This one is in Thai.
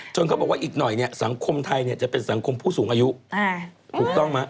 จนเขาบอกว่าอีกหน่อยสังคมไทยจะเป็นสังคมผู้สูงอายุ